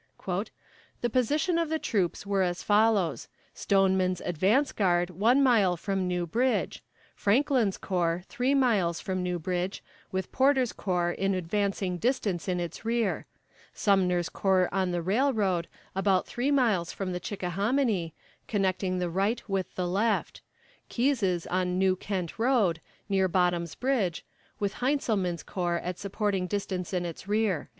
"The position of the troops were as follows: Stoneman's advance guard one mile from New Bridge; Franklin's corps three miles from New Bridge, with Porter's corps in advancing distance in its rear; Sumner's corps on the railroad, about three miles from the Chickahominy, connecting the right with the left; Keyes' on New Kent road, near Bottom's Bridge, with Heintzelman's corps at supporting distance in its rear."